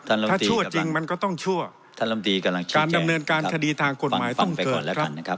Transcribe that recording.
ถ้าชั่วจริงมันก็ต้องชั่วท่านลำตีกำลังการดำเนินการคดีทางกฎหมายต้องเกิดแล้วกันนะครับ